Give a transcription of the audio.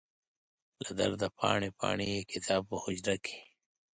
له درده پاڼې، پاڼې یې کتاب په حجره کې